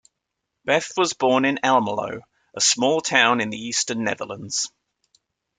Beth was born in Almelo, a small town in the eastern Netherlands.